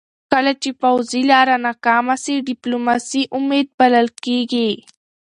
کله چې پوځي لاره ناکامه سي، ډيپلوماسي امید بلل کېږي .